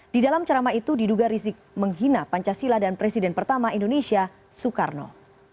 di dalam ceramah itu diduga rizik menghina pancasila dan presiden pertama indonesia soekarno